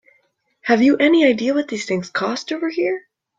Have you any idea what these things cost over here?